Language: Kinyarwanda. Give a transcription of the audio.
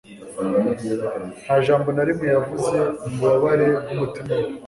Nta jambo na rimwe yavuze mu bubabare bwumutima we